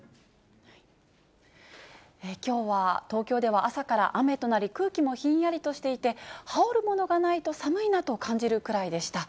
きょうは東京では朝から雨となり、空気もひんやりとしていて、羽織るものがないと寒いなと感じるくらいでした。